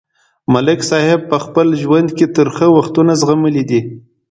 ملک صاحب په خپل ژوند کې ترخه وختونه زغملي دي.